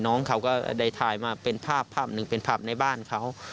น้องเขาก็ได้ถ่ายมาเป็นภาพภาพหนึ่งเป็นภาพในบ้านเขา